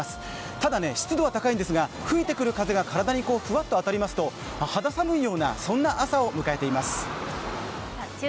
ただ、湿度は高いんですが吹いてくる風が体にふわっと当たりますと肌寒いような、そんな朝を迎えています。